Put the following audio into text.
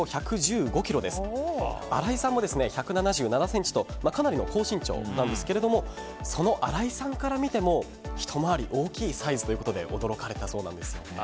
新井さんも１７７ｃｍとかなりの高身長なんですけれどもその新井さんから見てもひと回り大きいサイズということで驚かれたそうなんですよね。